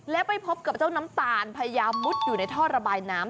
แล้วไปพบกับเจ้าน้ำตาลพยายามมุดอยู่ในท่อระบายน้ำ